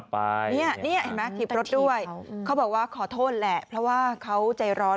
เพราะว่าเขาใจร้อน